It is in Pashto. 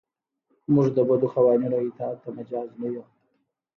موږ د بدو قوانینو اطاعت ته مجاز نه یو.